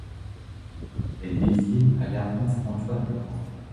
Elle est dédiée à l'ermite Antoine le Grand.